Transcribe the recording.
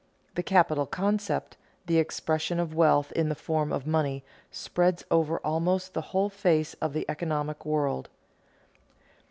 The capital concept, the expression of wealth in the form of money, spreads over almost the whole face of the economic world.